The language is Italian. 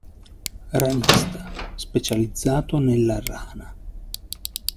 Ranista: Specializzato nella rana.